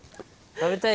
食べたい？